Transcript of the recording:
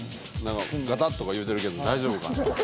ガタッとかいうとるけど大丈夫かな？